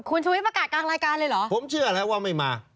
คุณชุวิตประกาศกลางรายการเลยเหรอผมเชื่อแล้วว่าไม่มา